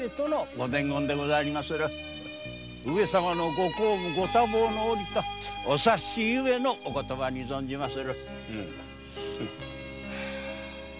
ご公務多忙の折とお察しゆえのお言葉と存じます。